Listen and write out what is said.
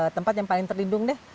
tempat yang paling terlindung deh